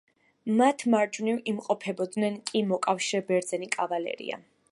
მათ მარჯვნივ იმყოფებოდნენ კი მოკავშირე ბერძენი კავალერია.